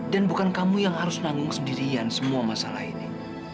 dan bukan kamu yang harus nanggung sendirian semua masalah ini